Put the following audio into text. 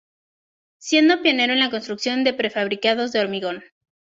Siendo pionero en la construcción de prefabricados de hormigón.